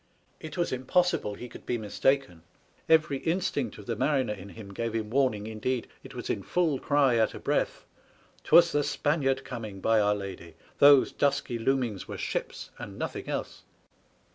It was impossible he could be mistaken. Every instinct of the mariner in him gave him warning; indeed, it was in full cry at a breath. 'Twas the Spaniard coming, by Our Lady! Those dusky loomings were ships, and nothing else.